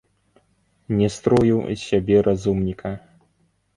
Не строю з сябе разумніка.